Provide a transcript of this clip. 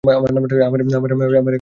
আমার এখনই ডাক্তার দরকার।